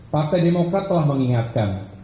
partai demokrat telah mengingatkan